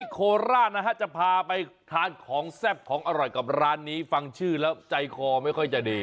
โคราชนะฮะจะพาไปทานของแซ่บของอร่อยกับร้านนี้ฟังชื่อแล้วใจคอไม่ค่อยจะดี